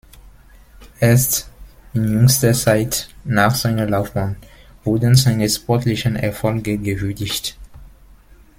Erst in jüngster Zeit –nach seiner Laufbahn- wurden seine sportlichen Erfolge gewürdigt.